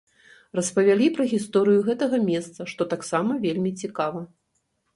Распавялі пра гісторыю гэтага месца, што таксама вельмі цікава.